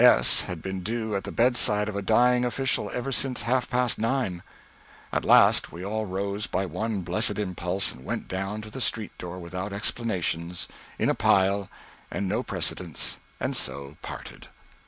S. had been due at the bedside of a dying official ever since half past nine. At last we all rose by one blessed impulse and went down to the street door without explanations in a pile, and no precedence; and so, parted.